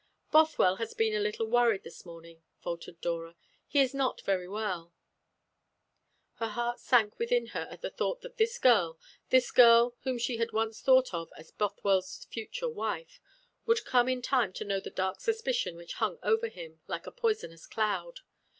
"Bothwell has been a little worried this morning," faltered Dora. "He is not very well." Her heart sank within her at the thought that this girl this girl whom she had once thought of as Bothwell's future wife would come in time to know the dark suspicion which hung over him like a poisonous cloud.